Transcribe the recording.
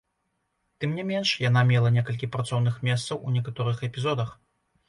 Тым не менш, яна мела некалькі працоўных месцаў у некаторых эпізодах.